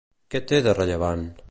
Què té de rellevant?